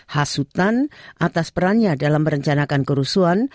hasutan atas perannya dalam merencanakan kerusuhan